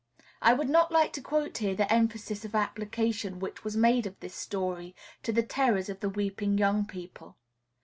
I would not like to quote here the emphasis of application which was made of this story to the terrors of the weeping young people.